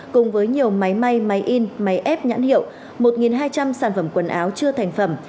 cùng với nhiều máy may máy in máy ép nhãn hiệu một hai trăm linh sản phẩm quần áo chưa thành phẩm